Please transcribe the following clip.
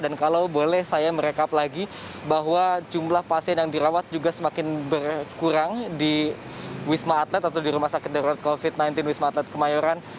dan kalau boleh saya merekap lagi bahwa jumlah pasien yang dirawat juga semakin berkurang di wisma atlet atau di rumah sakit derot covid sembilan belas wisma atlet kemayoran